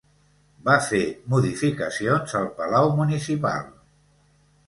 Va fer modificacions al palau municipal.